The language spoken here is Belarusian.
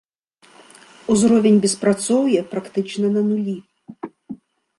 Узровень беспрацоўя практычна на нулі.